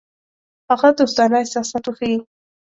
هغه دوستانه احساسات وښيي.